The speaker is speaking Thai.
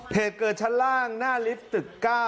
เหตุเกิดชั้นล่างหน้าลิฟต์ตึก๙